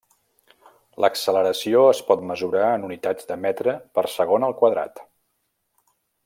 L'acceleració es pot mesurar en unitats de metre per segon al quadrat.